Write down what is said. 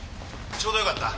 ちょうどよかった。